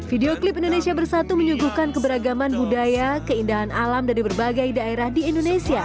video klip indonesia bersatu menyuguhkan keberagaman budaya keindahan alam dari berbagai daerah di indonesia